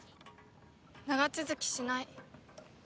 長続きしない。